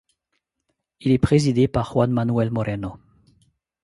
Il est présidé par Juan Manuel Moreno.